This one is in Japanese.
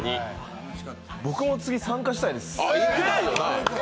僕も次、参加したいです。